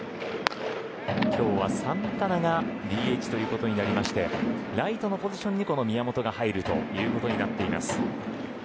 今日はサンタナがＤＨということになりましてライトのポジションにこの宮本が入ることになっています。